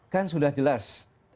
kan sudah jelas